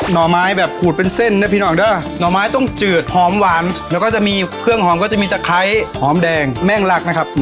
ห่อไม้แบบขูดเป็นเส้นนะพี่น้องเด้อหน่อไม้ต้องจืดหอมหวานแล้วก็จะมีเครื่องหอมก็จะมีตะไคร้หอมแดงแม่งลักนะครับ